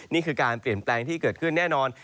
นี่คือการเปลี่ยนแปลงที่เกิดขึ้นแน่นอน